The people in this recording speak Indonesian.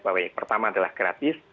bahwa yang pertama adalah gratis